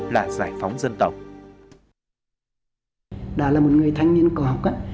là giải phóng dân tộc